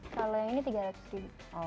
kalau yang ini tiga ratus ribu